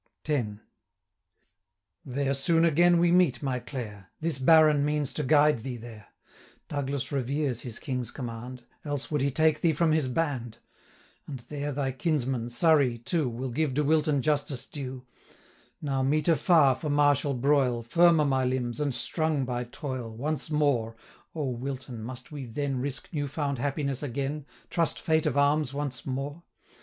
X. 'There soon again we meet, my Clare! 285 This Baron means to guide thee there: Douglas reveres his King's command, Else would he take thee from his band. And there thy kinsman, Surrey, too, Will give De Wilton justice due. 290 Now meeter far for martial broil, Firmer my limbs, and strung by toil, Once more' 'O Wilton! must we then Risk new found happiness again, Trust fate of arms once more?